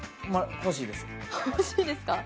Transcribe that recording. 欲しいですか？